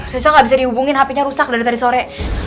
reza gak bisa dihubungin hp nya rusak dari tadi sore